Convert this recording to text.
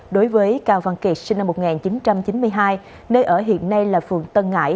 đối với cao văn kiệt sinh năm một nghìn chín trăm chín mươi hai nơi ở hiện nay là phường tân ngãi